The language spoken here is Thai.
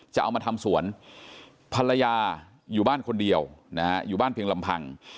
จะเอามาทำสวนภรรยาอยู่บ้านคนเดียวนะฮะอยู่บ้านเพียงลำพัง